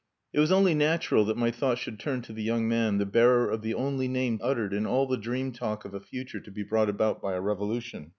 It was only natural that my thought should turn to the young man, the bearer of the only name uttered in all the dream talk of a future to be brought about by a revolution.